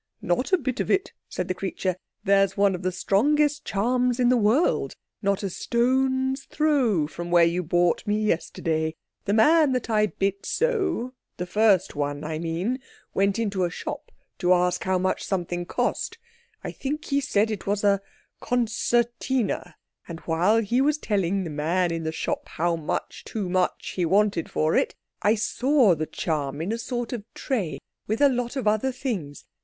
"Not a bit of it," said the creature; "there's one of the strongest charms in the world not a stone's throw from where you bought me yesterday. The man that I bit so—the first one, I mean—went into a shop to ask how much something cost—I think he said it was a concertina—and while he was telling the man in the shop how much too much he wanted for it, I saw the charm in a sort of tray, with a lot of other things.